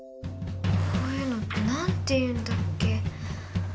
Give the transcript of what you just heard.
こういうのって何ていうんだっけ？